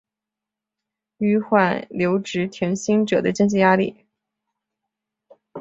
纾缓留职停薪者的经济压力